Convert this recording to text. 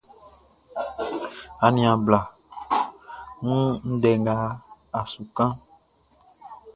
Aniaan bla, n wun ndɛ nga a su kanʼn.